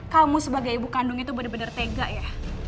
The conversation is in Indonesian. kamu sebagai ibu kandung itu benar benar tega ya